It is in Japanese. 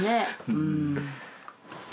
うん。